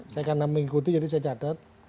saya karena mengikuti jadi saya catat